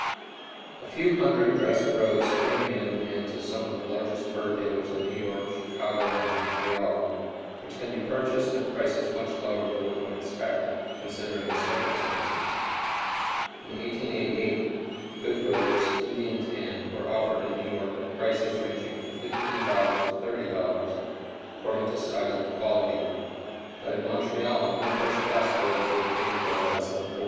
] A few hundred dressed robes still remain in the hands of some of the largest fur dealers in New York, Chicago, and Montreal, which can be purchased at prices much lower than one would expect, considering the circumstances. In 1888, good robes, Indian tanned, were offered in New York at prices ranging from $15 to $30, according to size and quality, but in Montreal no first class robes were obtainable at less than $40.